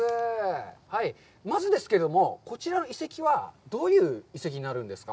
まずですけれども、こちらの遺跡はどういう遺跡になるんですか。